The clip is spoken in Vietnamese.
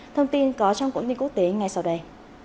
thông tin có trong quản lý quốc tế ngay sau đây